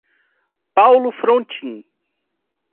Paulo Frontin